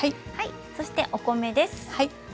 そして、お米です。